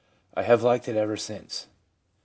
I have liked it ever since/ M.